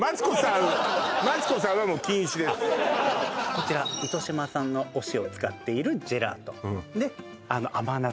こちら糸島産のお塩を使っているジェラートうんで甘夏